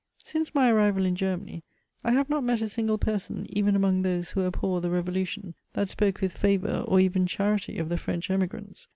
Since my arrival in Germany, I have not met a single person, even among those who abhor the Revolution, that spoke with favour, or even charity of the French emigrants.